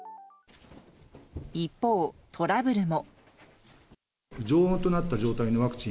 一方、トラブルも。